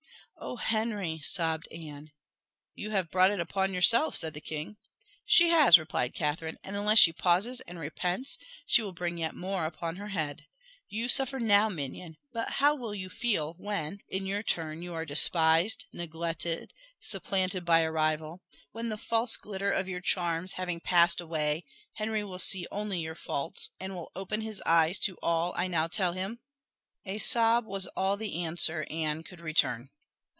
"Oh, Henry!" sobbed Anne. "You have brought it upon yourself," said the king. "She has," replied Catherine; "and, unless she pauses and repents, she will bring yet more upon her head. You suffer now, minion, but how will you feel when, in your turn, you are despised, neglected, and supplanted by a rival when the false glitter of your charms having passed away, Henry will see only your faults, and will open his eyes to all I now tell him?" A sob was all the answer Anne could return.